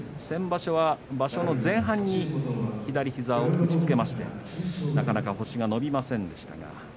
先場所は場所前半に左膝を打ちつけましてなかなか星が伸びませんでした。